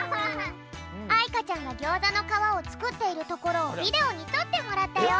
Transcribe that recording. あいかちゃんがぎょうざのかわをつくっているところをビデオにとってもらったよ。